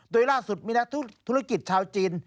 โดยล่าสุดมีนักธุรกิจชาวจีน